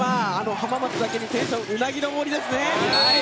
浜松だけにテンションうなぎ登りですね。